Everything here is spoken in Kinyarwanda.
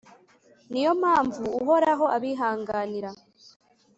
Ni yo mpamvu Uhoraho abihanganira,